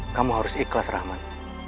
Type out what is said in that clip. kamu harus ikhlas rahman